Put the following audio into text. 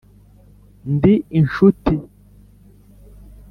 ndi inshuti